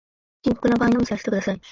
深刻な場合のみ知らせてください